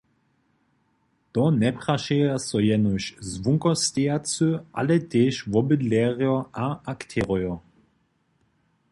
To njeprašeja so jenož zwonkastejacy, ale tež wobydlerjo a akterojo.